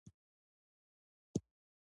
د کرچک غوړي د قبضیت لپاره وکاروئ